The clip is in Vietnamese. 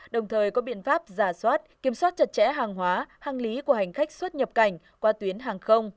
đồng thời có biện pháp giả soát kiểm soát chặt chẽ hàng hóa hành lý của hành khách xuất nhập cảnh qua tuyến hàng không